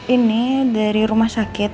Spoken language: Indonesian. ini dari rumah sakit